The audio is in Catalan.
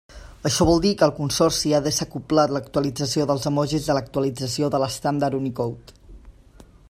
Això vol dir que el consorci ha desacoblat l'actualització dels emojis de l'actualització de l'estàndard Unicode.